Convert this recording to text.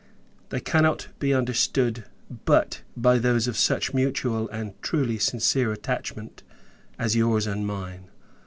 ] They cannot be understood, but by those of such mutual and truly sincere attachment as your's and mine.